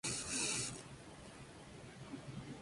Los archivos ePub terminan con la extensión ".epub".